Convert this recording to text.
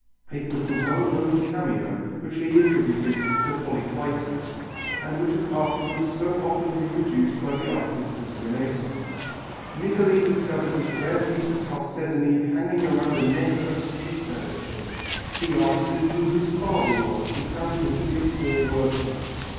It was the well known cameo which he attributed to Polycletus and which was afterwards so often reproduced by the artists of the Renaissance. Niccoli discovered this rare piece of chalcedony hanging round the neck of a street urchin. He asked him who his father was and found him to be a poor workman.